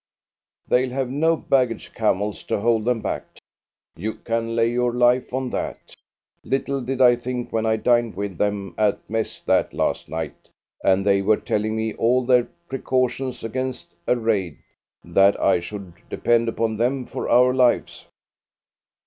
They'll have no baggage camels to hold them back, you can lay your life on that! Little did I think, when I dined with them at mess that last night, and they were telling me all their precautions against a raid, that I should depend upon them for our lives."